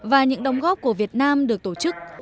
và những đồng góp của việt nam được tổ chức